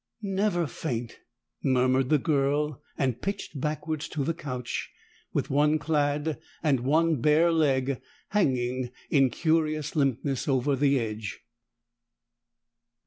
"Never faint!" murmured the girl, and pitched backward to the couch, with one clad and one bare leg hanging in curious limpness over the edge.